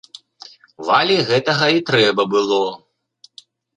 Валі гэтага і трэба было.